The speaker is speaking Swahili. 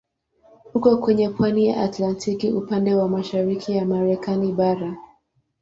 Uko kwenye pwani ya Atlantiki upande wa mashariki ya Marekani bara.